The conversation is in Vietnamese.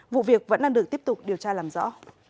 vụ việc vẫn đang được tiếp tục điều tra làm rõ